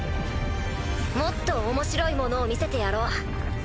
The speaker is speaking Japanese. もっと面白いものを見せてやろう。